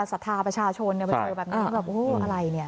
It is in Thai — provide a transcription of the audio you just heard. สถาประชาชนเนี้ยมาเจอแบบนี้แบบอู้วอะไรเนี้ย